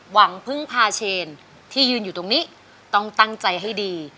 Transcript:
หวังพึ่งพาเชนที่ยืนอยู่ตรงนี้ต้องตั้งใจให้ดี